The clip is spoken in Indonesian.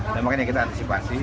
nah makanya kita antisipasi